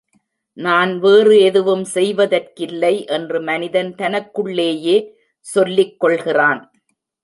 நான் வேறு எதுவும் செய்வதற்கில்லை என்று மனிதன் தனக்குள்ளேயே சொல்லிக் கொள்கிறான்.